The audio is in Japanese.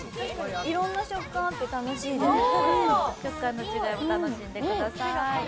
いろんな食感があって楽しいです食感の違いも楽しんでください。